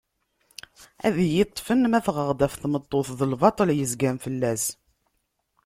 Ad iyi-ṭfen ma fɣeɣ-d ɣef tmeṭṭut d lbaṭel yezgan fell-as.